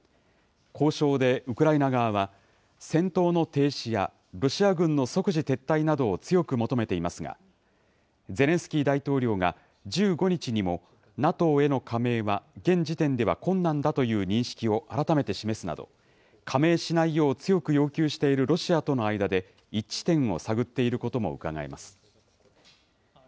交渉でウクライナ側は戦闘の停止やロシア軍の即時撤退などを強く求めていますがゼレンスキー大統領が１５日にもＮＡＴＯへの加盟は現時点では困難だという認識を改めて示すなど加盟しないよう強く要求しているロシアとの間で一致点を探っていることもうかがえます。